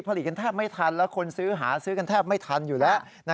ผลิตกันแทบไม่ทันแล้วคนซื้อหาซื้อกันแทบไม่ทันอยู่แล้ว